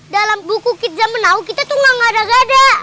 dalam buku kitza menau kita tuh gak ngadah ngadah